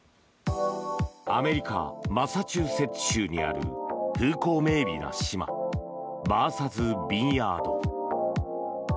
アメリカマサチューセッツ州にある風光明媚な島マーサズ・ビンヤード。